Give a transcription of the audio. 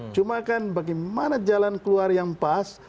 cuma kan bagaimana jalan keluar yang pas